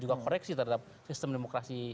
juga koreksi terhadap sistem demokrasi